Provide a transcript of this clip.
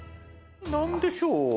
何でしょう？